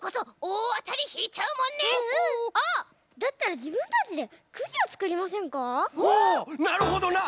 おおなるほどな！